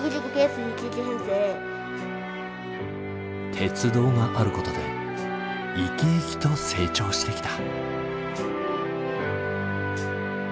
鉄道があることで生き生きと成長してきた。